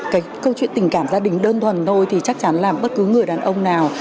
cái câu chuyện tình cảm gia đình đơn thuần thôi thì chắc chắn làm bất cứ người đàn ông nào